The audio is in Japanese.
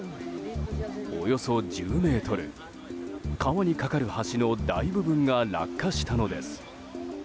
およそ１０ｍ川に架かる橋の大部分が落下したのです。